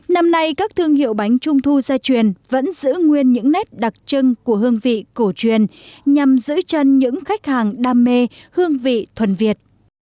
năm nay các thương hiệu bánh trung thu gia truyền vẫn giữ nguyên những nét đặc trưng của hương vị cổ truyền nhằm giữ chân những khách hàng đam mê hương vị thuần việt